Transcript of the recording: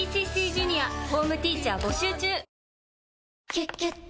「キュキュット」